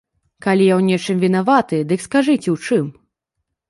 Калі я ў нечым вінаваты, дык скажыце ў чым!